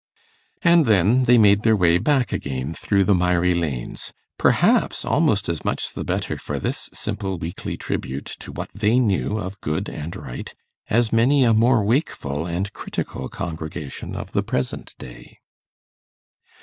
And then they made their way back again through the miry lanes, perhaps almost as much the better for this simple weekly tribute to what they knew of good and right, as many a more wakeful and critical congregation of the present day.